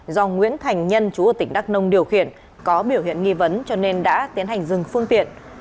do nguyễn thành nhân chú ở tỉnh đắk nông điều khiển có biểu hiện nghi vấn cho nên đã tiến hành dừng phương tiện